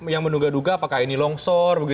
yang menduga duga apakah ini longsor